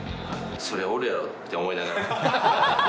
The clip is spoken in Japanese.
そりゃおるやろって思いながら。